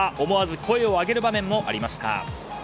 思わず声を上げる場面もありました。